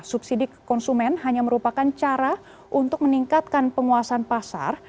subsidi konsumen hanya merupakan cara untuk meningkatkan penguasaan pasar